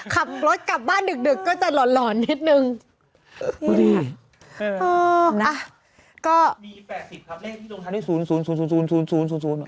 ขับรถกลับบ้านดึกดึกก็จะหล่อนหล่อนนิดหนึ่งเอออ่ะก็มีแปดสิบครับ